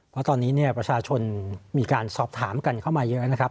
เพราะตอนนี้เนี่ยประชาชนมีการสอบถามกันเข้ามาเยอะนะครับ